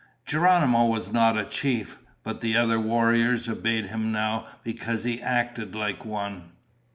Geronimo was not a chief, but the other warriors obeyed him now because he acted like one.